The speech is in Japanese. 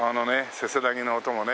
せせらぎの音もね